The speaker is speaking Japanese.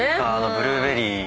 ブルーベリー。